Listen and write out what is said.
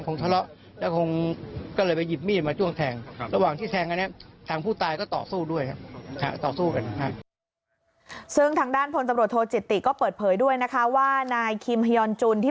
นายคิมฮยอนจุนที่เป็นทางด้านพลตรวจโทษจิตติ